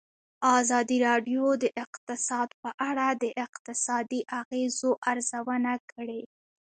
ازادي راډیو د اقتصاد په اړه د اقتصادي اغېزو ارزونه کړې.